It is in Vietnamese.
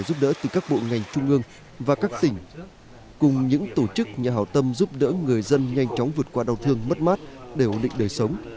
giúp đỡ từ các bộ ngành trung ương và các tỉnh cùng những tổ chức nhà hảo tâm giúp đỡ người dân nhanh chóng vượt qua đau thương mất mát để ổn định đời sống